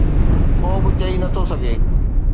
ڪو به چئي نٿو سگهي.